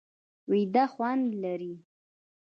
ویده خوند لري